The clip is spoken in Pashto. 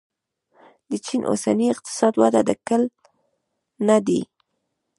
د چین اوسنۍ اقتصادي وده د کل نه دی.